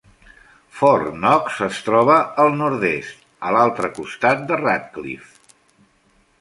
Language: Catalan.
Fort Knox es troba al nord-est, a l'altre costat de Radcliff.